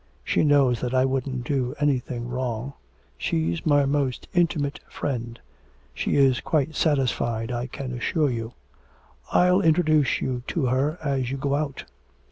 She knows that I wouldn't do anything wrong. She's my most intimate friend; she is quite satisfied, I can assure you. I'll introduce you to her as you go out.'